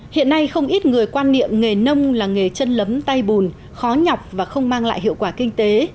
hiện nay không ít người quan niệm nghề nông là nghề chân lấm tay bùn khó nhọc và không mang lại hiệu quả kinh tế